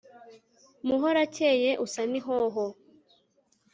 Muhorakeye usa n’ihoho,